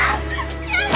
やだ！